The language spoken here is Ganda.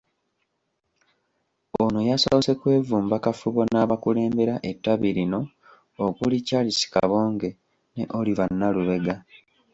Ono yasoose kwevumba kafubo n'abakulembera ettabi lino okuli Charles Kabonge ne Oliver Nalubega.